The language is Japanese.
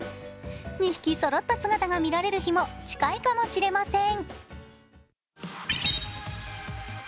２匹そろった姿が見られる日も、近いかもしれません。